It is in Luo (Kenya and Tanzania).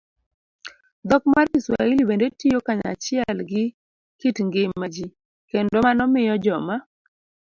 Dhok mar Kiswahili bende tiyo kanyachiel gi kit ngima ji, kendo mano miyo joma